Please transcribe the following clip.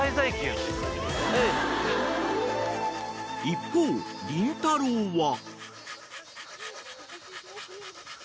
［一方りんたろー。は］